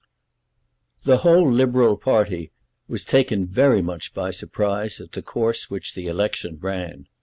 The whole Liberal party was taken very much by surprise at the course which the election ran.